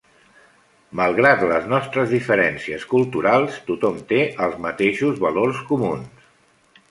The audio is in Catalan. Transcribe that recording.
Malgrat les nostres diferències culturals, tothom té els mateixos valors comuns.